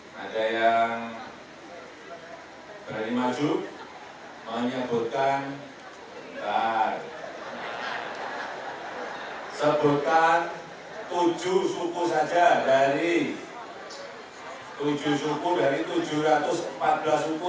hai ada yang berani maju menyebutkan sebutan tujuh suku saja dari tujuh suku dari tujuh ratus empat belas suku